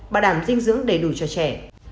bảo đảm dinh dưỡng đầy đủ cho trẻ